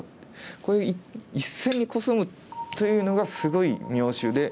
これ１線にコスむというのがすごい妙手で。